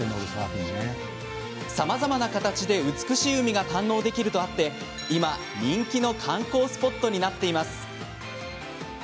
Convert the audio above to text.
さまざまな形で美しい海が堪能できるとあって今、人気の観光スポットになっています。